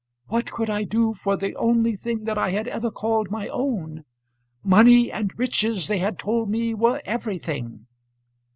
What could I do for the only thing that I had ever called my own? Money and riches they had told me were everything."